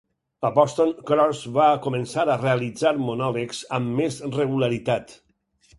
A Boston, Cross va començar a realitzar monòlegs amb més regularitat.